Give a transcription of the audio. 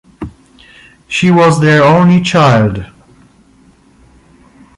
She was their only child.